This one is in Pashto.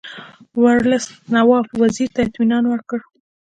ورلسټ نواب وزیر ته اطمینان ورکړ.